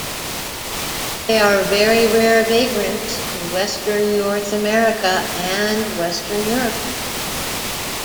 They are very rare vagrants to western North America and western Europe.